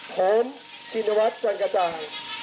ผมชินวัฒน์จันกระจ่าง